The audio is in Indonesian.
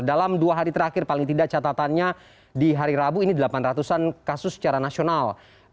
dalam dua hari terakhir paling tidak catatannya di hari rabu ini delapan ratus an kasus secara nasional